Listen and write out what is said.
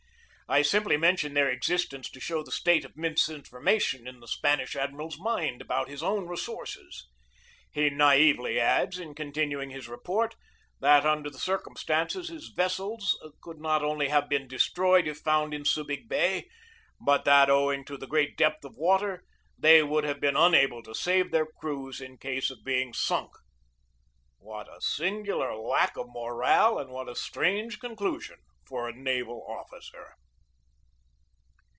1 I simply mention their existence to show the state of misinformation in the Spanish admiral's mind about his own resources. He na ively adds, in continuing his report, that under the circumstances his vessels could not only have been destroyed if found in Subig Bay, but that, owing to the great depth of water, they would have been unable to save their crews in case of being sunk. What a singular lack of morale and what a strange conclusion for a naval officer!